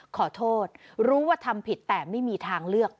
ขอโทษรู้ว่าทำผิดแต่ไม่มีทางเลือก